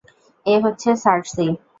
এ হচ্ছে সার্সি।